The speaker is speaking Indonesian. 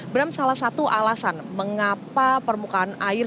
bram salah satu alasan mengapa permukaan air